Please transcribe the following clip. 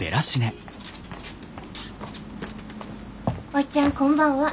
おっちゃんこんばんは。